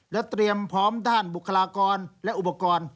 และเตรียมพร้อมด้านบุคลากรและอุปกรณ์